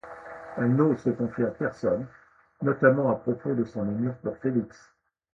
Elle n’ose se confier à personne, notamment à propos de son amour pour Félix.